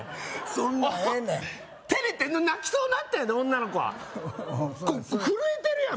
そんなんええねんテレてんの泣きそうになってんの女の子はおうそや震えてるやん